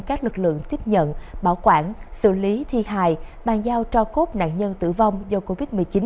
các lực lượng tiếp nhận bảo quản xử lý thi hài bàn giao cho cốt nạn nhân tử vong do covid một mươi chín